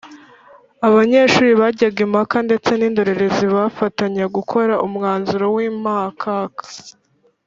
abanyeshuri bajyaga impaka ndetse n’indorerezi bafatanya gukora umwanzuro w’impakaka